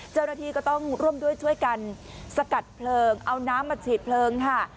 เจ้าหน้าที่ก็ต้องร่วมด้วยช่วยกันสกัดเพลิงเอาน้ำมาฉีดเพลิงค่ะ